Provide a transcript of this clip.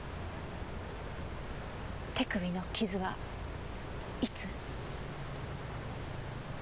手首の傷はいつ？